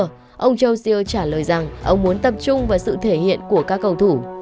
sau đó ông châu siêu trả lời rằng ông muốn tập trung vào sự thể hiện của các cầu thủ